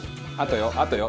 あとよ。